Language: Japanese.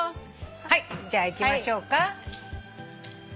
はいじゃあいきましょうか。